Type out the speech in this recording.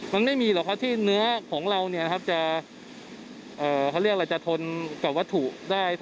มันไม่มีเหรอเพราะที่เนื้อของเราจะทนกับวัตถุได้